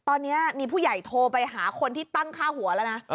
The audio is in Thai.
ตอนนี้มีผู้ใหญ่โทรไปหาคนที่ตั้งค่าหัวแล้วนะ